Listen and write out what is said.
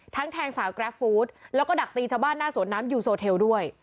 แทงสาวกราฟฟู้ดแล้วก็ดักตีชาวบ้านหน้าสวนน้ำยูโซเทลด้วย